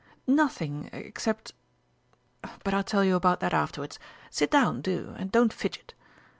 "Nothing except, but I'll tell you about that afterwards. Sit down, do, and don't fidget....